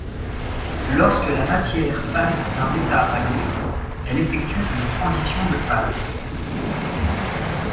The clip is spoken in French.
Lorsque la matière passe d'un état à l'autre, elle effectue une transition de phase.